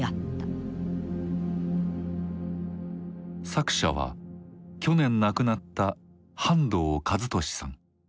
作者は去年亡くなった半藤一利さん。